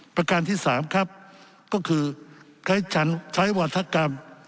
ประการที่๓ครับก็คือใช้วัฒกรรม